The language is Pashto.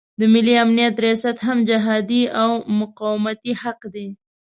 د ملي امنیت ریاست هم جهادي او مقاومتي حق دی.